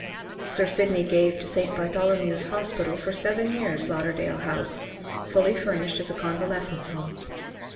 Sir Sydney gave to St. Bartholomew's Hospital for seven years Lauderdale House, fully furnished as a convalescents' home.